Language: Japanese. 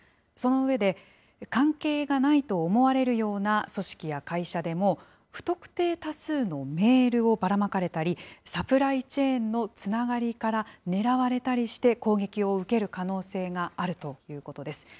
その上で、関係がないと思われるような組織や会社でも、不特定多数のメールをばらまかれたり、サプライチェーンのつながりから狙われたりして、攻撃を受ける可能性があるということです。